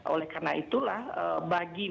oleh karena itulah bagi